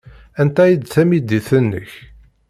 Anta ay d tamidit-nnek?